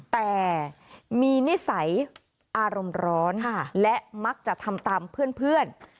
แต่มีนิสัยอารมณ์ร้อนและมักจะทำตามเพื่อน